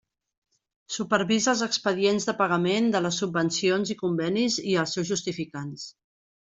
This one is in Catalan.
Supervisa els expedients de pagament de les subvencions i convenis i els seus justificants.